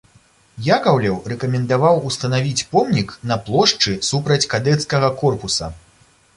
Якаўлеў рэкамендаваў устанавіць помнік на плошчы супраць кадэцкага корпуса.